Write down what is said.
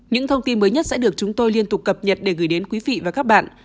những thông tin mới nhất sẽ được chúng tôi liên tục cập nhật để gửi đến quý vị và các bạn